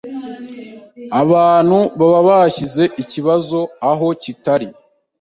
abantu baba bashyize ikibazo aho kitari